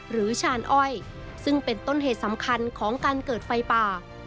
ชานอ้อยซึ่งเป็นต้นเหตุสำคัญของการเกิดไฟป่า